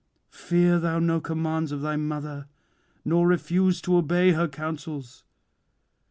Fear thou no commands of thy mother, nor refuse to obey her counsels.